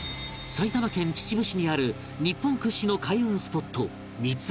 埼玉県秩父市にある日本屈指の開運スポット三峯神社